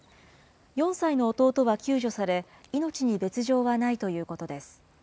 ４歳の弟は救助され、命に別状はないということです。